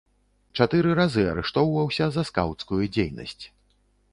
Чатыры разы арыштоўваўся за скаўцкую дзейнасць.